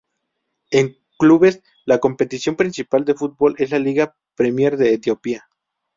En clubes, la competición principal de fútbol es la Liga Premier de Etiopía.